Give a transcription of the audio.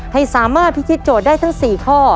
ให้สามารถพิธีโจทย์ได้ทั้ง๔ข้อ